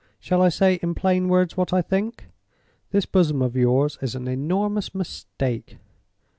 —Shall I say in plain words what I think? This bosom of yours is an Enormous Mistake!"